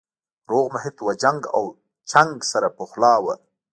روغ محیط و جنګ او چنګ سره پخلا وو